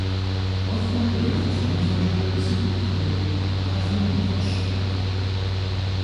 Ӏуэхур ехъулӀэныгъэкӀэ зэриухынур щӀалэм и фӀэщ хъурт.